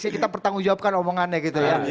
kita pertanggung jawabkan omongannya gitu ya